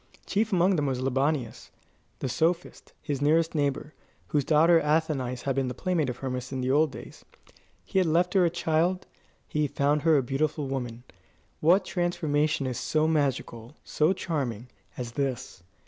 Chief among them was Libanius, the sophist, his nearest neighbour, whose daughter Athenais had been the playmate of Hermas in the old days. He had left her a child. He found her a beautiful woman. What transformation is so magical, so charming, as this?